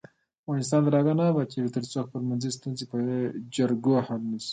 افغانستان تر هغو نه ابادیږي، ترڅو خپلمنځي ستونزې په جرګو حل نشي.